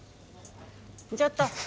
ちょっと！